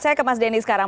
saya ke mas denny sekarang